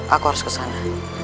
aku harus ke sana